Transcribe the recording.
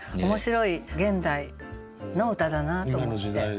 面白い現代の歌だなと思って。